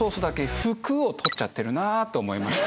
「ふ」「く」を取っちゃってるなと思いました。